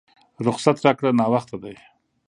رخصت راکړه ناوخته دی!